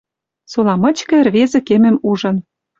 Сола мычкы ӹрвезӹ кемӹм ужын